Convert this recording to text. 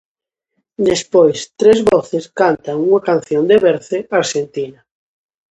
Despois tres voces cantan unha canción de berce arxentina.